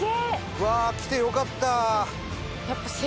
うわー来てよかった！